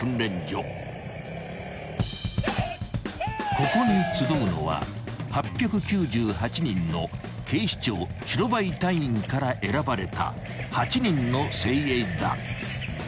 ［ここに集うのは８９８人の警視庁白バイ隊員から選ばれた８人の精鋭だ］